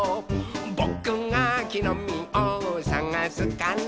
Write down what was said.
「ぼくがきのみをさがすから」